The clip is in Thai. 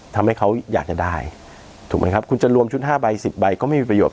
ทำให้เขาอยากจะได้ถูกไหมครับคุณจะรวมชุด๕ใบ๑๐ใบก็ไม่มีประโยชน